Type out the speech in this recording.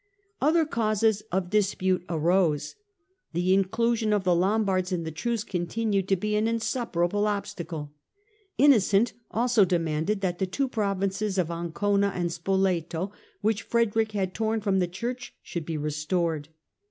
Other causes of dispute arose. The inclusion of the Lombards in the truce continued to be an insuperable obstacle. Innocent also demanded that the two provinces of Ancona and Spoleto, which Frederick had torn from the Church, should be restored.